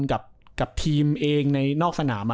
กับทีมเองในนอกสนาม